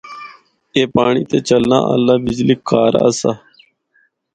اے پانڑی تے چلنا آلہ بجلی کہر آسا۔